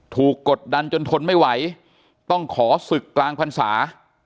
กดดันจนทนไม่ไหวต้องขอศึกกลางพรรษา